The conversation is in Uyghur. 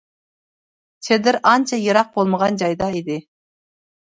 چېدىر ئانچە يىراق بولمىغان جايدا ئىدى.